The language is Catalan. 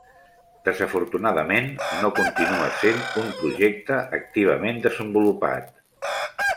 Desafortunadament, no continua sent un projecte activament desenvolupat.